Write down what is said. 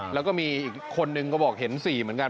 แล้วก็มีอีกคนนึงก็บอกเห็น๔เหมือนกัน